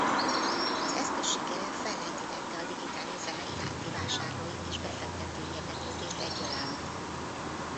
Az eszköz sikere fellendítette a digitális zene iránti vásárlói és befektetői érdeklődést egyaránt.